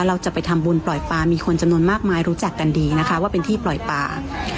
เราจะไปทำบุญปล่อยปลามีคนจำนวนมากมายรู้จักกันดีนะคะว่าเป็นที่ปล่อยป่า